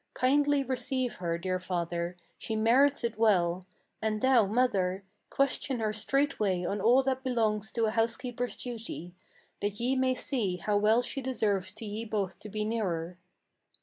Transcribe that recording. Kindly receive her, dear father: she merits it well; and thou, mother, Question her straightway on all that belongs to a housekeeper's duty, That ye may see how well she deserves to ye both to be nearer."